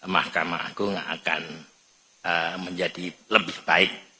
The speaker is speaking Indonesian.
mahkamah agung akan menjadi lebih baik